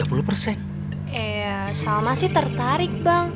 eh salma sih tertarik bang